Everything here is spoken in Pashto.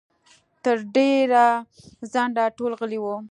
تر ډېره ځنډه ټول غلي وو.